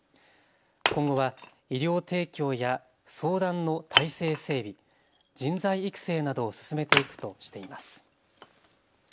今後は医療提供や相談の体制整備、人材育成などを進めていくとしています。